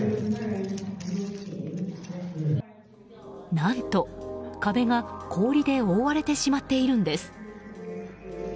何と、壁が氷で覆われてしまっているんです。